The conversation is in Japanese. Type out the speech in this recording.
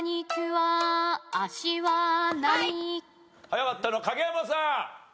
早かったの影山さん。